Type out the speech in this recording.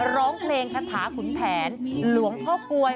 ร้องเพลงคาถาขุนแผนหลวงพ่อกลวย